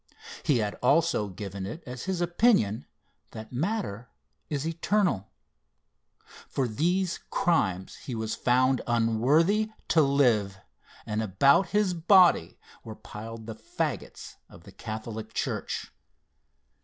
He had also given it as his opinion that matter is eternal. For these crimes he was found unworthy to live, and about his body were piled the fagots of the Catholic Church.